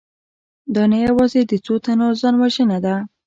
دا نه یوازې د څو تنو ځانوژنه ده